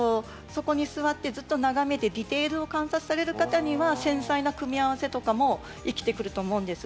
そこに座ってずっと眺めてディテールを観察される方には繊細な組み合わせとかも生きてくると思うんです。